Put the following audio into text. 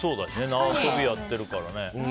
縄跳びやってるからね。